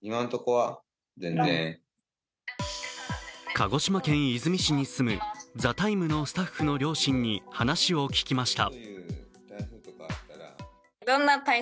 鹿児島県出水市に住む「ＴＨＥＴＩＭＥ，」のスタッフの両親に話を聞きました。